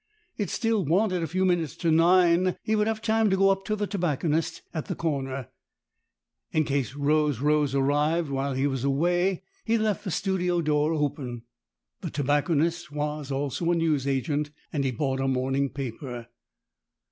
It still wanted a few minutes to nine. He would have time to go up to the tobacconist at the corner. In case Rose Rose arrived while he was away, he left the studio door open. The tobacconist was also a newsagent, and he bought a morning paper.